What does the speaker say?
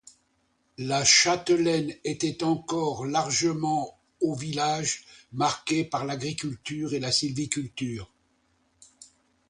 La Châtelaine était encore largement au un village marqué par l'agriculture et la sylviculture.